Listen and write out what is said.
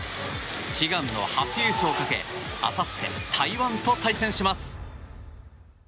悲願の初優勝をかけあさって台湾と対戦します。